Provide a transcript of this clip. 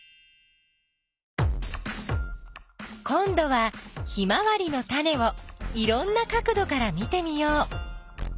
こんどはヒマワリのタネをいろんな角どから見てみよう。